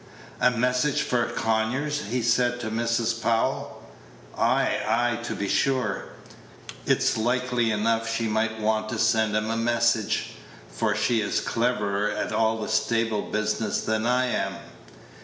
"A message for Conyers," he said to Mrs. Powell; "ay, ay, to be sure. It's likely enough she might want to send him a message, for she's cleverer at all the stable business than I am.